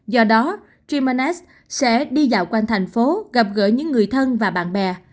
do đó timmanet sẽ đi dạo quanh thành phố gặp gỡ những người thân và bạn bè